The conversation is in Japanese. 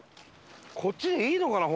こっちでいいのかな？